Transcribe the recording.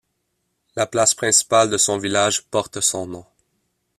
La place principale de son village porte son nom.